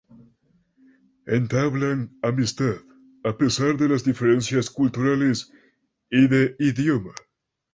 Entablan amistad, a pesar de las diferencias culturales y de idioma.